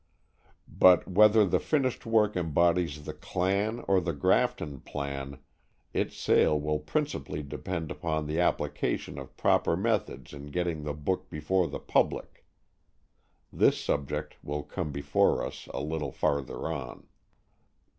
But whether the finished work embodies the "clan" or the "Grafton" plan, its sale will principally depend upon the application of proper methods in getting the book before the public. This subject will come before us a little farther on.